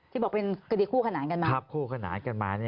ที่บอกเป็นคดีคู่ขนานกันมา